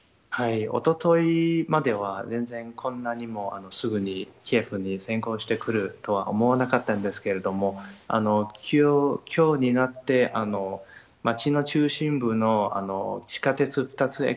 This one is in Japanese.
おとといまでは、全然、こんなにもすぐにキエフに侵攻してくるとは思わなかったんですけれども、きょうになって、街の中心部の地下鉄２つ